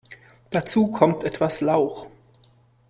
Dazu kommt etwas Lauch.